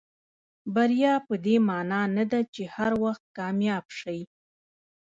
بریا پدې معنا نه ده چې هر وخت کامیاب شئ.